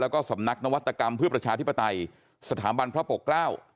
แล้วก็สำนักนวัตกรรมเพื่อประชาธิปไตยสถาบันพระปกเกล้า